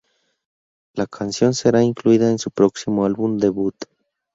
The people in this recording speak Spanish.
La canción será incluida en su próximo álbum debut.